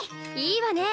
いいわね。